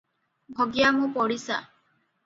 ଭଗିଆ ମୋ ପଡ଼ିଶା ।